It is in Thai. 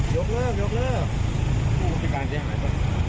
ยกเลิกยกเลิก